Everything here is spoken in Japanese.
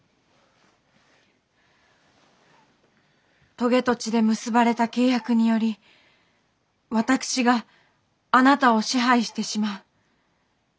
棘と血で結ばれた契約により私があなたを支配してしまう。